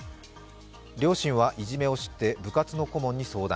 両親はいじめを知って部活の顧問に相談。